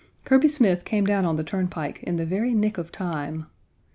Kirby Smith came down on the turnpike in the very nick of time.